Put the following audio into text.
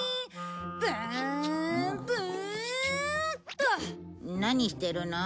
っと。何してるの？